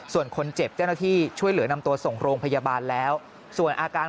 ส่วนคนเจ็บเจ้าหน้าที่ช่วยเหลือนำตัวส่งโรงพยาบาลแล้วส่วนอาการ